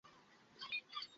আনুষ্ঠানিকতা সম্পন্ন করো।